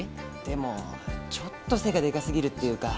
でもちょっと背がでかすぎるっていうか。